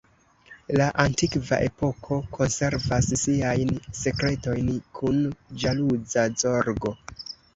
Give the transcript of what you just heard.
La antikva epoko konservas siajn sekretojn kun ĵaluza zorgo.